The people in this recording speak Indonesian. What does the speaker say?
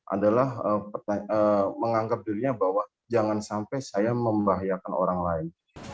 adalah menganggap dirinya bahwa jangan sampai saya membahayakan orang lain